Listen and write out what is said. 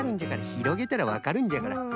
ひろげたらわかるんじゃから。